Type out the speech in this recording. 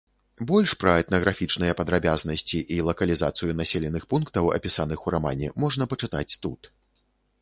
Больш пра этнаграфічныя падрабязнасці і лакалізацыю населеных пунктаў, апісаных у рамане, можна пачытаць тут.